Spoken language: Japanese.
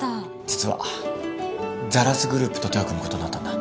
実はザラスグループと手を組むことになったんだ。